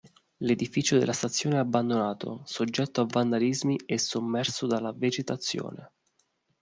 L'edificio della stazione è abbandonato, soggetto a vandalismi e sommerso dalla vegetazione.